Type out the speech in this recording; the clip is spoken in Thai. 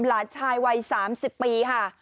หลานชายวัย๓๐ปีค่ะ